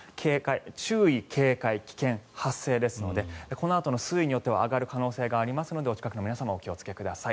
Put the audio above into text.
注意、警戒、危険、発生ですのでこのあとの水位によっては上がる可能性があるのでお近くの皆様お気をつけください。